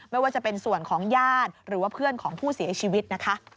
ไม่ว่าจะเป็นส่วนของญาติหรือว่าเพื่อนของผู้เสียชีวิตนะคะ